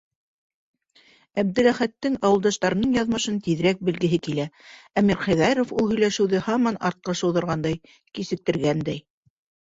- Әптеләхәттең ауылдаштарының яҙмышын тиҙерәк белгеһе килә, ә Мирхәйҙәров ул һөйләшеүҙе һаман артҡа шыуҙырғандай, кисектергәндәй.